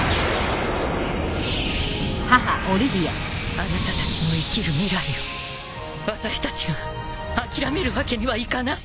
あなたたちの生きる未来を私たちが諦めるわけにはいかない。